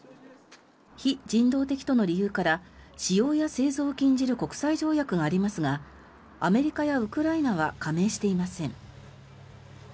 非人道的との理由から使用や製造を禁じる国際条約がありますがアメリカやウクライナは加盟していません。